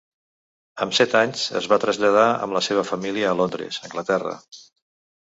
Amb set anys, es va traslladar amb la seva família a Londres, Anglaterra.